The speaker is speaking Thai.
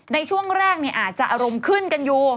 ในช่วงแรกอาจจะอารมณ์ขึ้นกันอยู่